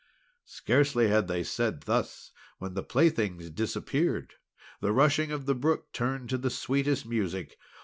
Scarcely had they said thus, when the playthings disappeared. The rushing of the brook turned to the sweetest music.